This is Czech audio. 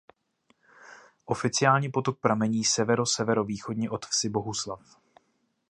Oficiálně potok pramení severoseverovýchodně od vsi Bohuslav.